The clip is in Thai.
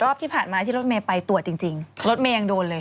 รอบที่ผ่านมาที่รถเมย์ไปตรวจจริงรถเมย์ยังโดนเลย